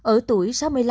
ở tuổi sáu mươi năm